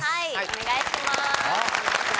お願いしまーす。